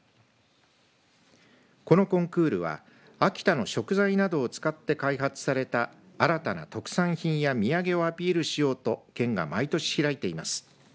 このコンクールは秋田の食材などを使って開発された新たな特産品や土産をアピールしようと県が毎年開いています。